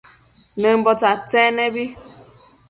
Nëmbo tsadtsec nebi